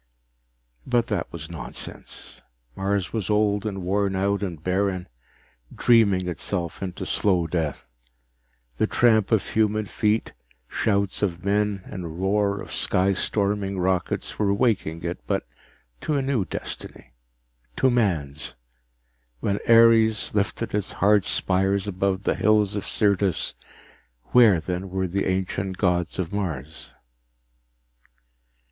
But that was nonsense. Mars was old and worn out and barren, dreaming itself into slow death. The tramp of human feet, shouts of men and roar of sky storming rockets, were waking it, but to a new destiny, to man's. When Ares lifted its hard spires above the hills of Syrtis, where then were the ancient gods of Mars?